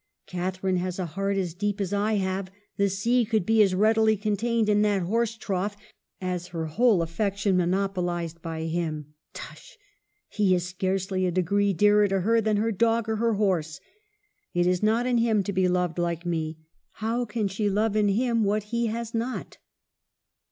"' Catharine has a heart as deep as I have : the sea could be as readily contained in that horse trough, as her whole affection monopolized by him. Tush ! He is scarcely a degree dearer to her than her dog or her horse. It is not in him to be loved like me. How can she love in him what he has not